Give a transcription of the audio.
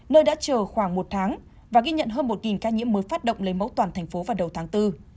nơi đã chờ khoảng một tháng và ghi nhận hơn một ca nhiễm mới phát động lấy máu toàn thành phố vào đầu tháng bốn